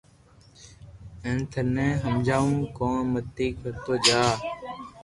ھين ٿني ھمجاوُ ڪو متي ڪرتو جا